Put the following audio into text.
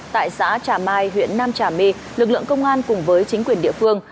tại xã trà mai huyện nam trà my lực lượng công an cùng với chính quyền địa phương